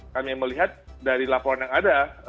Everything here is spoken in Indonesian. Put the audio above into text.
kami melihat dari laporan yang ada